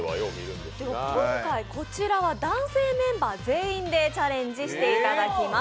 今回、こちらは男性メンバー全員でチャレンジしていただきます。